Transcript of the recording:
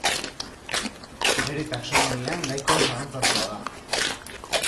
Bere taxonomia nahiko zalantzazkoa da.